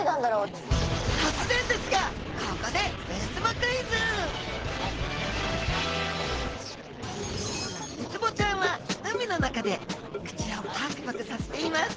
とつぜんですがここでウツボちゃんは海の中で口をパクパクさせています。